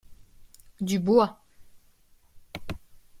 Du Bois.